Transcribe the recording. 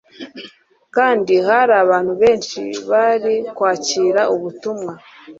kandi hari abantu benshi bari kwakira ubutumwa,